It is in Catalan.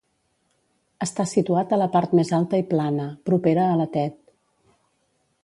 Està situat a la part més alta i plana, propera a la Tet.